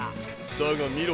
だが見ろ